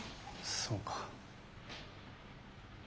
そうか。